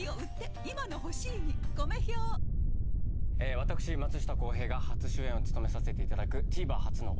私松下洸平が初主演を務めさせていただく。